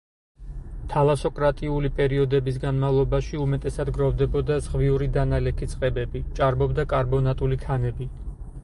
თალასოკრატიული პერიოდების განმავლობაში უმეტესად გროვდებოდა ზღვიური დანალექი წყებები, ჭარბობდა კარბონატული ქანები.